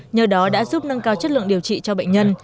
nhờ đó đã giúp nâng cao chất lượng điều trị cho bệnh nhân